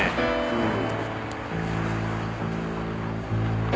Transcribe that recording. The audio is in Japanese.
うん。